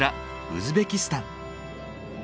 ウズベキスタン。